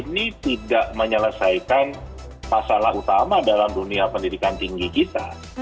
ini tidak menyelesaikan masalah utama dalam dunia pendidikan tinggi kita